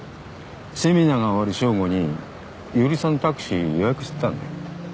セミナーが終わる正午に伊織さんのタクシー予約してたんだよ。